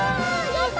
やった！